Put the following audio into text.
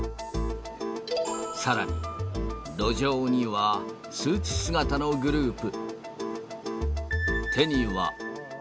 さらに、路上にはスーツ姿のグループ。